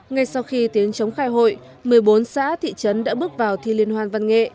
ngay sau khi tiếng chống khai hội một mươi bốn xã thị trấn đã bước vào thi liên hoan văn nghệ